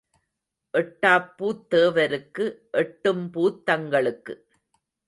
எட்டாப் பூத் தேவருக்கு எட்டும் பூத் தங்களுக்கு.